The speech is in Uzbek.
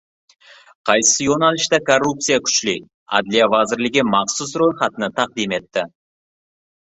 Qaysi yo‘nalishda korrupsiya kuchli? Adliya vazirligi maxsus ro‘yxatni taqdim etdi